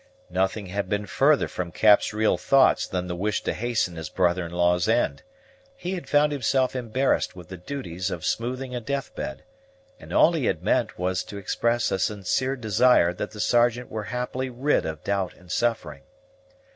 Nothing had been further from Cap's real thoughts than the wish to hasten his brother in law's end. He had found himself embarrassed with the duties of smoothing a deathbed, and all he had meant was to express a sincere desire that the Sergeant were happily rid of doubt and suffering.